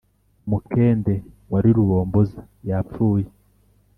mukende wa rubomboza yapfuye